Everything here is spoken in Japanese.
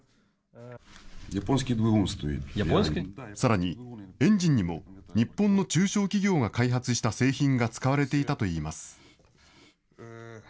さらに、エンジンにも、日本の中小企業が開発した製品が使われていたといいます。